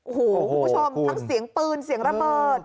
โอ้โหคุณผู้ชมทั้งเสียงปืนเสียงระเบิด